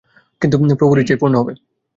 কিন্তু প্রভুর ইচ্ছাই পূর্ণ হবে।